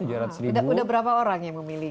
sudah berapa orang yang memilih